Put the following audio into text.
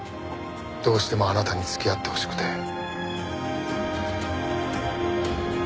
どうしてもあなたに付き合ってほしくて。